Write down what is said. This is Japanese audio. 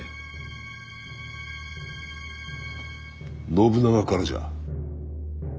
信長からじゃ。